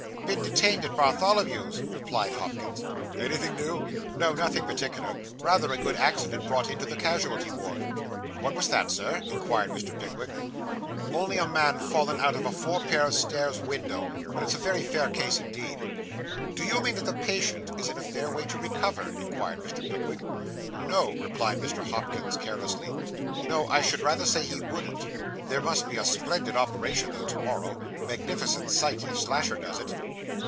'Been detained at Bartholomew's,' replied Hopkins. 'Anything new?' 'No, nothing particular. Rather a good accident brought into the casualty ward.' 'What was that, sir?' inquired Mr. Pickwick. 'Only a man fallen out of a four pair of stairs' window; but it's a very fair case indeed.' 'Do you mean that the patient is in a fair way to recover?' inquired Mr. Pickwick. 'No,' replied Mr. Hopkins carelessly. 'No, I should rather say he wouldn't. There must be a splendid operation, though, to morrow magnificent sight if Slasher does it.